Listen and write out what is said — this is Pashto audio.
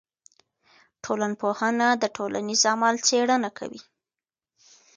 ټولنپوهنه د ټولنیز عمل څېړنه کوي.